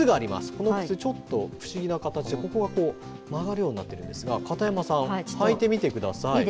この靴、ちょっと不思議な形、ここがこう、曲がるようになってるんですが、片山さん、履いてみてください。